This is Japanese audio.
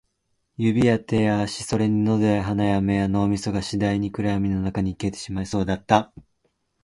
指や手や足、それに喉や鼻や目や脳みそが、次第に暗闇の中に消えてしまいそうだった